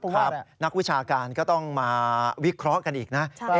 ครับนักวิชาการก็ต้องมาวิเคราะห์กันอีกนะ